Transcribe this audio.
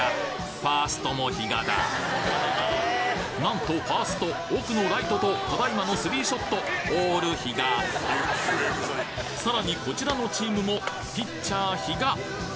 ファーストも比嘉だなんとファースト奥のライトとただいまのスリーショットオール比嘉さらにこちらのチームもピッチャー比嘉